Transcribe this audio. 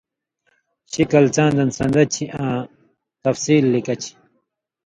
شِکل څاں دَن سَن٘دہ چھی آں تے تفصیل لِکہ چھی۔